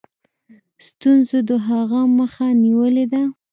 ستونزو د هغه مخه نیولې ده.